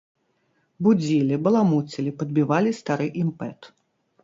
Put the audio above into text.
Будзілі, баламуцілі, падбівалі стары імпэт.